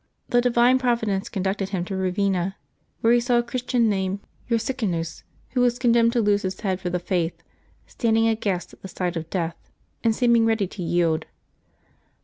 The divine providence conducted him to Eavenna, where he saw a Christian named Ursicinus, who was condemned to lose his head for his faith, standing aghast at the sight of death, and seeming ready to yield.